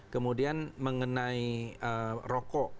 kemudian mengenai rokok